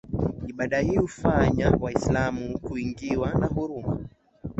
ibada hii huwafanya waislamu kuingiwa na huruma